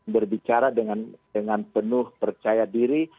berbicara dengan penuh percaya diri